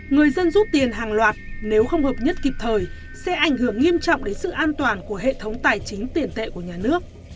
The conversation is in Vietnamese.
người dân rút tiền hàng loạt nếu không hợp nhất kịp thời sẽ ảnh hưởng nghiêm trọng đến sự an toàn của hệ thống tài chính tiền tệ của nhà nước